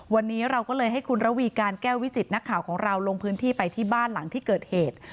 วันนี้เราก็เลยให้คุณระวีการแก้ววิจิตนักข่าวของเราลงพื้นที่ไปที่บ้านหลังที่เกิดเหตุ